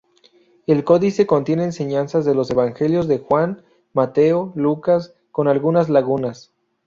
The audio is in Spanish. El códice contiene enseñanzas de los Evangelios de Juan, Mateo, Lucas, con algunas lagunas.